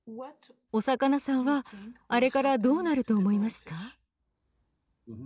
おさかなさんはあれからどうなると思いますか？